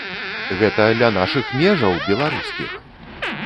Гэта ля нашых межаў, беларускіх!